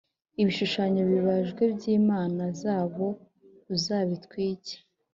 Ibishushanyo bibajwe by imana zabo uzabitwike